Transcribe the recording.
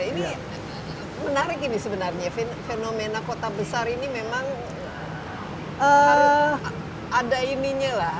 ini menarik ini sebenarnya fenomena kota besar ini memang ada ininya lah